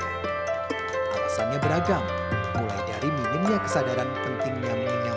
alasannya beragam mulai dari minimnya kesadaran pentingnya minimnya